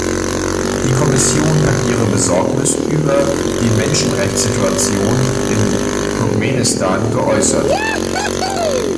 Die Kommission hat ihre Besorgnis über die Menschenrechtssituation in Turkmenistan geäußert.